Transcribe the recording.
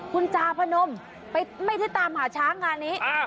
คุณจาพนมไม่ได้ตามหาช้างงานนี้